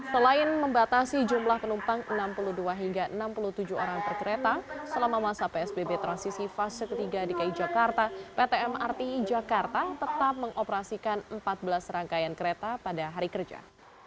selain membatasi jumlah penumpang enam puluh dua hingga enam puluh tujuh orang per kereta selama masa psbb transisi fase ketiga dki jakarta pt mrt jakarta tetap mengoperasikan empat belas rangkaian kereta pada hari kerja